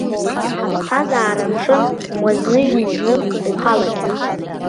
Аԥсҭазаара амшын уазныжьны зны ухалагь.